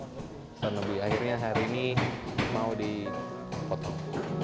bisa lebih akhirnya hari ini mau dipotong